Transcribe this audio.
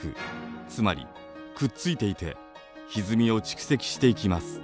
つまりくっついていてひずみを蓄積していきます。